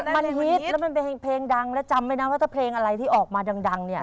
มันฮิตแล้วมันเป็นเพลงดังแล้วจำไหมนะว่าถ้าเพลงอะไรที่ออกมาดังเนี่ย